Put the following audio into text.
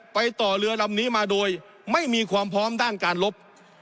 ไปต่อเรือลำนี้มาโดยไม่มีความพร้อมด้านการลบ